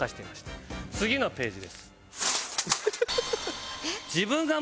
次のページです。